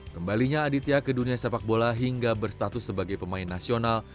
kembalinya aditya ke dunia sepak bola hingga berstatus sebagai pemain nasional